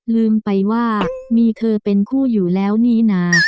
ลืมไปว่ามีเธอเป็นคู่อยู่แล้วนี่นะ